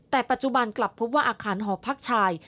แต่ปัจจุบันกลับพบว่าอาคารหอพักชาย